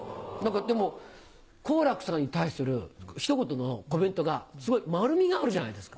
でも好楽さんに対する一言のコメントがすごい丸みがあるじゃないですか。